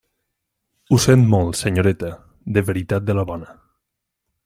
Ho sent molt, senyoreta; de veritat de la bona.